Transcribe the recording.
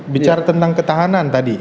bicara tentang ketahanan tadi